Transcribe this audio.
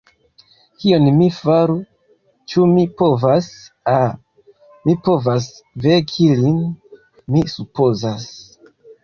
Kion mi faru, ĉu mi povas... ah, mi povas veki lin, mi supozas.